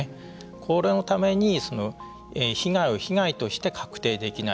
これのために被害を被害として確定できない。